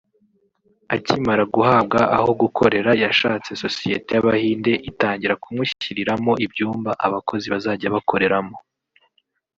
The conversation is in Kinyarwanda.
Akimara guhabwa aho gukorera yashatse Sosiyete y’Abahinde itangira kumushyiriramo ibyumba abakozi bazajya bakoreramo